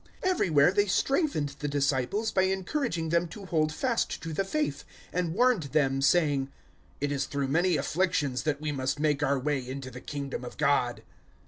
014:022 Everywhere they strengthened the disciples by encouraging them to hold fast to the faith, and warned them saying, "It is through many afflictions that we must make our way into the Kingdom of God."